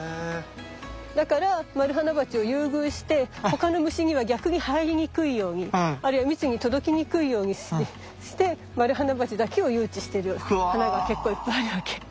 だからマルハナバチを優遇して他の虫には逆に入りにくいようにあるいは蜜に届きにくいようにしてマルハナバチだけを誘致してる花が結構いっぱいあるわけ。